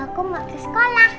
aku mau ke sekolah